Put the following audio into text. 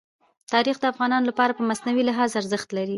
تاریخ د افغانانو لپاره په معنوي لحاظ ارزښت لري.